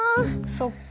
そっか。